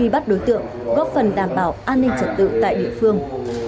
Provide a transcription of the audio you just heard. bắt đối tượng góp phần đảm bảo an ninh trật tự tại địa phương